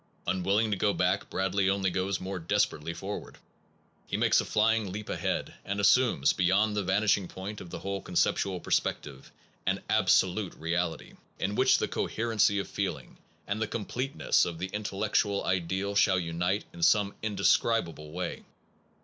Unwilling to go back, Bradley only goes more desperately forward. He makes a flying leap ahead, and assumes, beyond the vanishing point of the whole con ceptual perspective, an absolute reality, in which the coherency of feeling and the com pleteness of the intellectual ideal shall unite in some indescribable way.